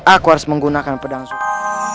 aku harus menggunakan pedang suku